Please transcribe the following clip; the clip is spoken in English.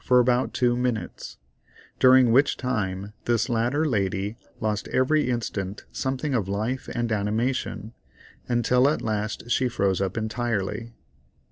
for about two minutes, during which time this latter lady lost every instant something of life and animation, until at last she froze up entirely.